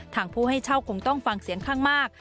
ทางผู้ให้เช่าคงต้องฟังเสียงข้างมาก